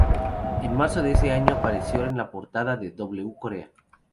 En marzo de ese año apareció en la portada de "W Corea".